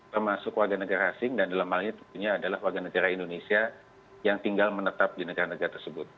termasuk warga negara asing dan dalam hal ini tentunya adalah warga negara indonesia yang tinggal menetap di negara negara tersebut